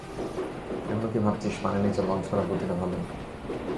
এখনও কি ভাবছিস পানির নিচে লঞ্চ করার বুদ্ধিটা ভাল?